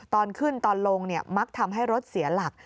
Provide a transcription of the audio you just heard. ตอนขึ้นตอนลงมักทำให้รถเสียหลัก